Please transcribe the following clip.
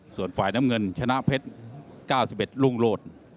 ส่วนฝ่ายน้ำเงินชนะเพชร๙๑รุ่งโลศ